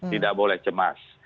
tidak boleh cemas